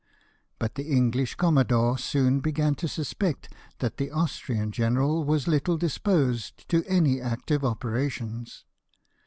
But the English commodore soon began to suspect that the Austrian general was little dis posed to any active operations.